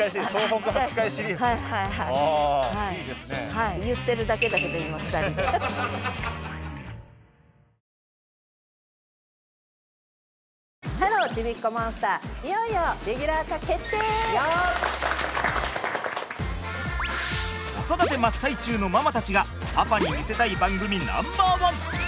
子育て真っ最中のママたちがパパに見せたい番組ナンバーワン！